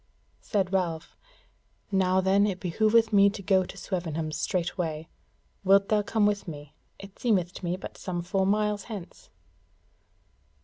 Said Ralph: "Now then it behoveth me to go to Swevenham straightway: wilt thou come with me? it seemeth to be but some four miles hence."